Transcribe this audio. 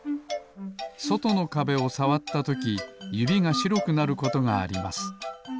そとのかべをさわったときゆびがしろくなることがあります。